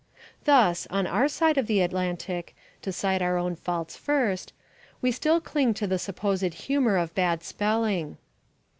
Thus, on our side of the Atlantic, to cite our own faults first, we still cling to the supposed humour of bad spelling.